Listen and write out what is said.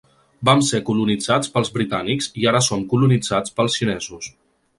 Vam ser colonitzats pels britànics i ara som colonitzats pels xinesos.